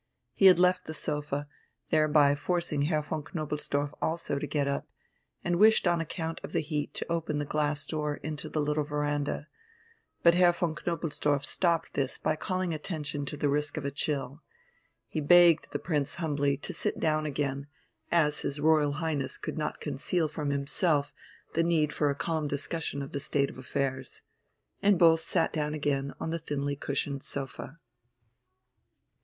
He had left the sofa, thereby forcing Herr von Knobelsdorff also to get up, and wished on account of the heat to open the glass door into the little veranda, but Herr von Knobelsdorff stopped this by calling attention to the risk of a chill. He begged the Prince humbly to sit down again, as his Royal Highness could not conceal from himself the need for a calm discussion of the state of affairs. And both sat down again on the thinly cushioned sofa.